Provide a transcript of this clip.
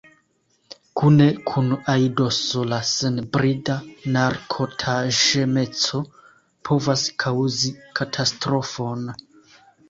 Kune kun aidoso la senbrida narkotaĵemeco povas kaŭzi katastrofon.